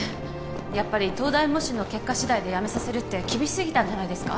やっぱり東大模試の結果次第でやめさせるって厳しすぎたんじゃないですか？